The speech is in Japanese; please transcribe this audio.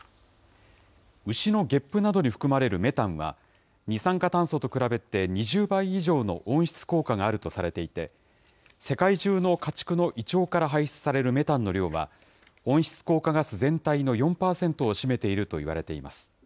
牛のげっぷなどに含まれるメタンは、二酸化炭素と比べて２０倍以上の温室効果があるとされていて、世界中の家畜の胃腸から排出されるメタンの量は、温室効果ガス全体の４％を占めているといわれています。